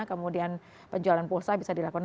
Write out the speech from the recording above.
kemudian penjualan pulsa bisa dilakukan